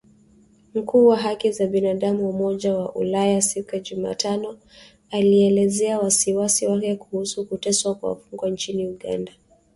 Mkuu wa haki za binadamu wa Umoja wa Ulaya siku ya Jumatano alielezea wasiwasi wake kuhusu kuteswa kwa wafungwa nchini Uganda.